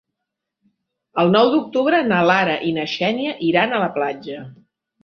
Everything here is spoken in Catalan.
El nou d'octubre na Lara i na Xènia iran a la platja.